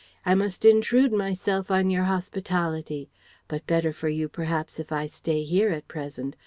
I must intrude myself on your hospitality. But better for you perhaps if I stay here at present.